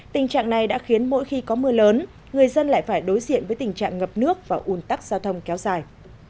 tình trạng này đã khiến mỗi khi có mưa lớn người dân lại phải đối diện với tình trạng ngập nước và un tắc giao thông kéo dài